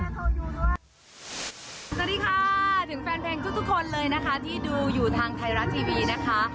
สวัสดีค่ะถึงแฟนเพลงทุกคนเลยนะคะที่ดูอยู่ทางไทยรัฐทีวีนะคะ